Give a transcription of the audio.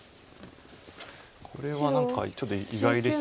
これは何かちょっと意外でした。